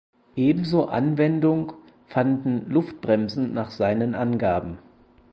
Ebenso Anwendung fanden Luftbremsen nach seinen Angaben.